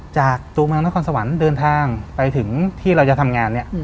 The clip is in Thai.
จากตัวเมืองนครสวรรค์เดินทางไปถึงที่เราจะทำงานเนี่ย